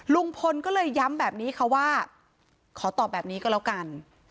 ลุงพลก็เลยย้ำแบบนี้ค่ะว่าขอตอบแบบนี้ก็แล้วกัน